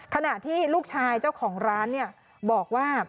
ขณะที่ลูกชายเจ้าของร้านบอกว่า